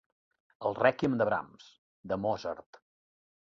El rèquiem de Brahms, de Mozart.